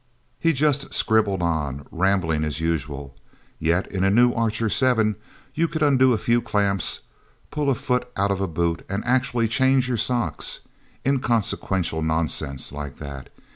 He just scribbled on, ramblingly, as usual. Yep, in a new Archer Seven, you could undo a few clamps, pull a foot up out of a boot, and actually change your socks... Inconsequential nonsense like that.